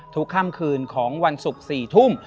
ทุกค่ำคืนของวันสุก๔ทุ่ม